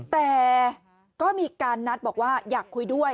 แต่ก็มีการนัดบอกว่าอยากคุยด้วย